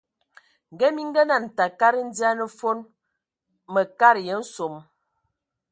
Ngə mi ngənan tə kad ndian fon, mə katəya nsom.